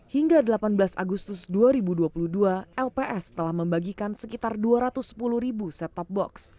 hingga delapan belas agustus dua ribu dua puluh dua lps telah membagikan sekitar dua ratus sepuluh ribu set top box